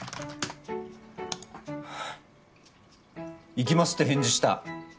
行きますって返事した。